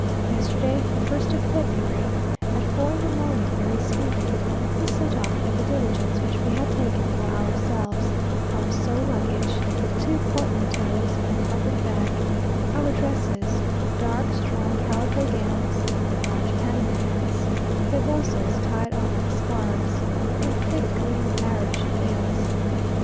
Yesterday, the first of February, at four in the morning, very sleepy, we set off in the diligence which we had taken for ourselves; our sole luggage, two portmanteaus and a carpet bag; our dresses, dark strong calico gowns, large Panama hats, rebosos tied on like scarfs, and thick green barege veils.